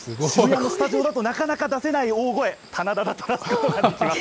スタジオだとなかなか出せない大声、棚田だったらできます。